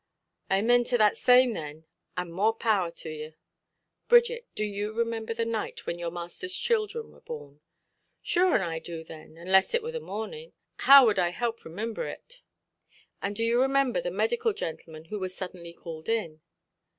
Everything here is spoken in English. "Amin to that same, thin. And more power to yer". "Bridget, do you remember the night when your masterʼs children were born"? "Sure an' I do, thin. Unless it wur the morninʼ. How wud I help remimber it"? "And do you remember the medical gentleman who was suddenly called in"?